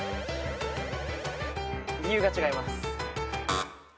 理由が違います。